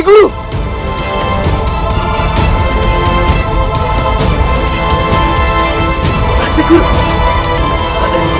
hidup ya minta